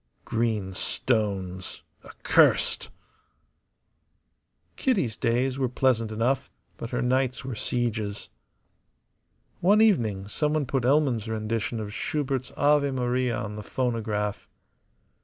Green stones, accursed. Kitty's days were pleasant enough, but her nights were sieges. One evening someone put Elman's rendition of Schubert's "Ave Maria" on the phonograph.